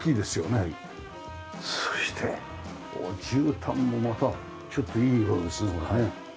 そしてじゅうたんもまたちょっといい色ですねこれね。